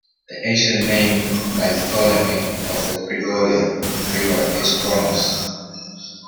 The ancient name by Ptolemy of the Pregolya River is "Chronos".